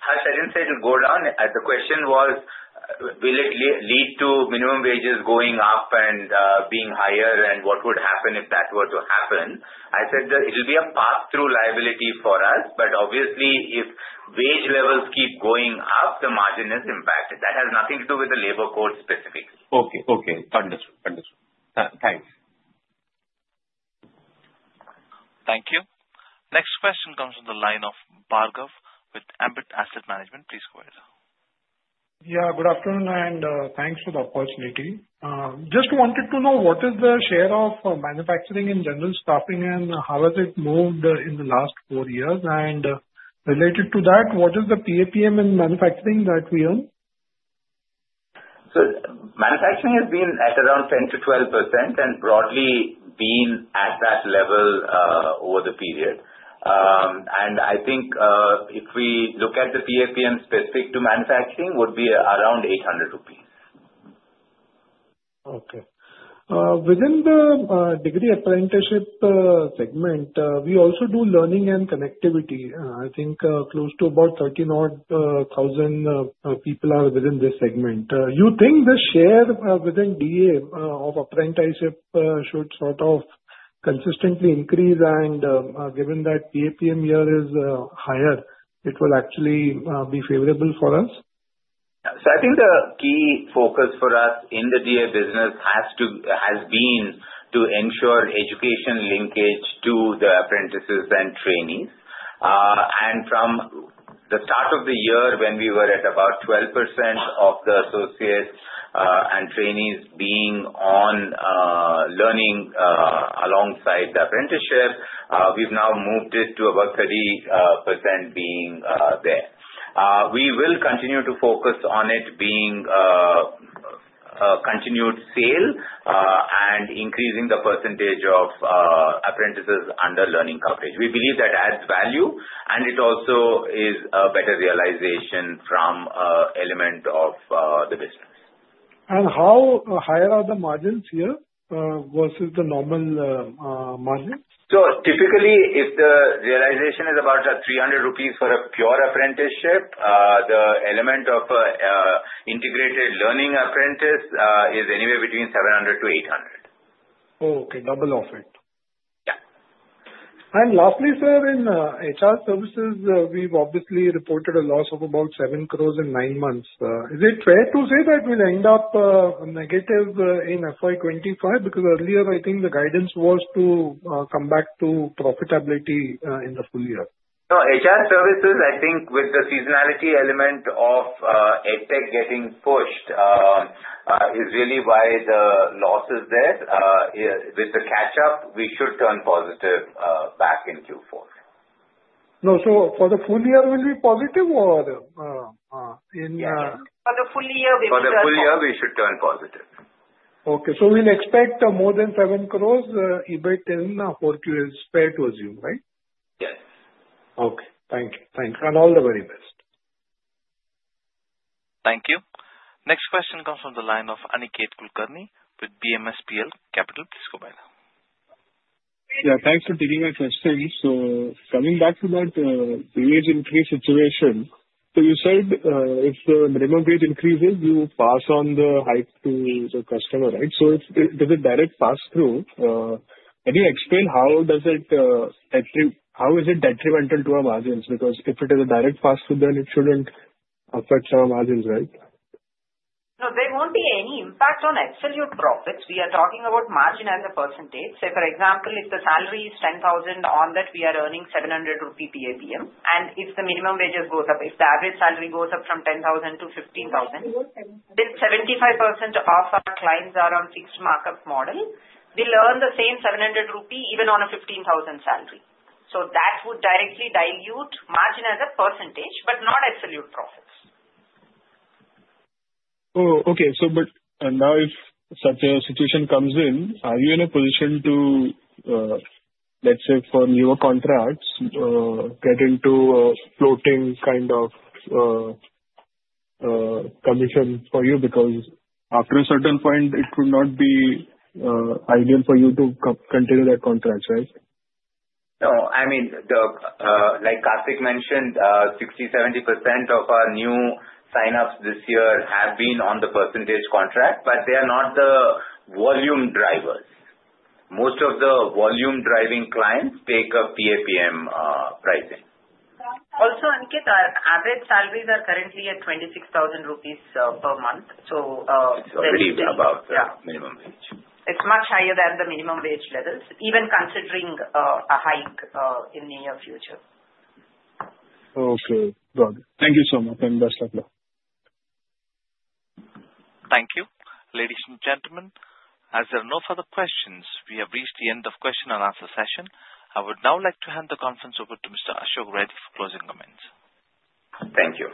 Harsh didn't say it will go down. The question was, will it lead to minimum wages going up and being higher, and what would happen if that were to happen? I said it will be a pass-through liability for us. But obviously, if wage levels keep going up, the margin is impacted. That has nothing to do with the labor code specifically. Okay. Understood. Thanks. Thank you. Next question comes from the line of Bhargav with Ambit Asset Management. Please go ahead. Yeah. Good afternoon, and thanks for the opportunity. Just wanted to know what is the share of manufacturing in General Staffing and how has it moved in the last four years? And related to that, what is the PAPM in manufacturing that we earn? Manufacturing has been at around 10%-12% and broadly been at that level over the period. And I think if we look at the PAPM specific to manufacturing, it would be around 800 rupees. Okay. Within the Degree Apprenticeship segment, we also do learning and connectivity. I think close to about 13,000 people are within this segment. You think the share within DA of apprenticeship should sort of consistently increase? And given that PAPM here is higher, it will actually be favorable for us? I think the key focus for us in the DA business has been to ensure education linkage to the apprentices and trainees. From the start of the year, when we were at about 12% of the associates and trainees being on learning alongside the apprenticeship, we've now moved it to about 30% being there. We will continue to focus on it being a continued sale and increasing the percentage of apprentices under learning coverage. We believe that adds value, and it also is a better realization from an element of the business. How higher are the margins here versus the normal margins? Typically, if the realization is about 300 rupees for a pure apprenticeship, the element of integrated learning apprentice is anywhere between 700-800. Oh, okay. Double of it. Yeah. And lastly, sir, in HR Services, we've obviously reported a loss of about 7 crore in nine months. Is it fair to say that we'll end up negative in FY 2025? Because earlier, I think the guidance was to come back to profitability in the full year. No, HR Services, I think with the seasonality element of EdTech getting pushed is really why the loss is there. With the catch-up, we should turn positive back in Q4. No, so for the full year, will it be positive or in? For the full year, we will turn. For the full year, we should turn positive. Okay. So we'll expect more than seven crores EBIT in four years. Fair to assume, right? Yes. Okay. Thank you. Thanks. And all the very best. Thank you. Next question comes from the line of Aniket Kulkarni with BMSPL Capital. Please go ahead. Yeah. Thanks for taking my question. So coming back to that wage increase situation, so you said if the minimum wage increases, you pass on the hike to the customer, right? So does it directly pass through? Can you explain how is it detrimental to our margins? Because if it is a direct pass-through, then it shouldn't affect our margins, right? No, there won't be any impact on absolute profits. We are talking about margin as a percentage. So for example, if the salary is 10,000, on that, we are earning 700 rupee PAPM. And if the minimum wages go up, if the average salary goes up from 10,000 to 15,000, then 75% of our clients are on fixed markup model. We'll earn the same 700 rupee even on a 15,000 salary. So that would directly dilute margin as a percentage, but not absolute profits. Oh, okay. But now, if such a situation comes in, are you in a position to, let's say, for newer contracts, get into a floating kind of commission for you? Because after a certain point, it would not be ideal for you to continue that contract, right? No. I mean, like Kartik mentioned, 60%-70% of our new sign-ups this year have been on the percentage contract, but they are not the volume drivers. Most of the volume-driving clients take a PAPM pricing. Also, Aniket, our average salaries are currently at 26,000 rupees per month. So. It's already above the minimum wage. It's much higher than the minimum wage levels, even considering a hike in the near future. Okay. Got it. Thank you so much. And best of luck. Thank you. Ladies and gentlemen, as there are no further questions, we have reached the end of the question-and-answer session. I would now like to hand the conference over to Mr. Ashok Reddy for closing comments. Thank you.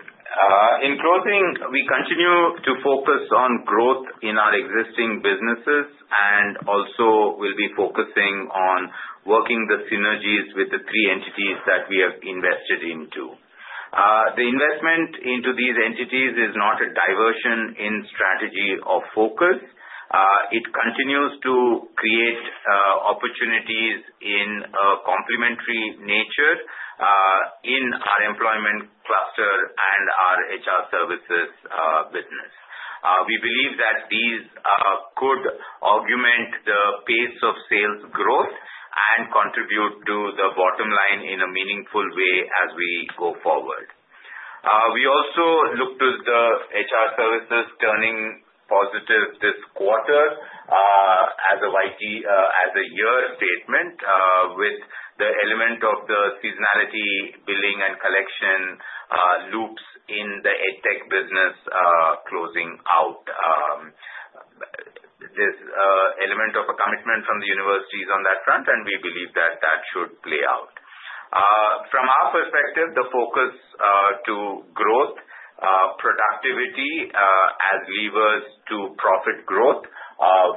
In closing, we continue to focus on growth in our existing businesses and also will be focusing on working the synergies with the three entities that we have invested into. The investment into these entities is not a diversion in strategy or focus. It continues to create opportunities in a complementary nature in our Employment Cluster and our HR Services business. We believe that these could augment the pace of sales growth and contribute to the bottom line in a meaningful way as we go forward. We also look to the HR Services turning positive this quarter as a year statement with the element of the seasonality billing and collection loops in the EdTech business closing out. There's an element of a commitment from the universities on that front, and we believe that that should play out. From our perspective, the focus on growth, productivity as levers to profit growth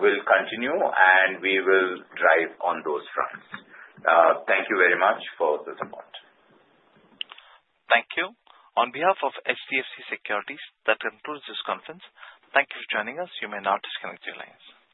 will continue, and we will drive on those fronts. Thank you very much for the support. Thank you. On behalf of HDFC Securities, that concludes this conference. Thank you for joining us. You may now disconnect your lines.